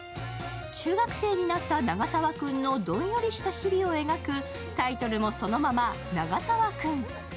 中学生になった永沢君のどんよりとした日々を描くタイトルもそのまま「永沢君」。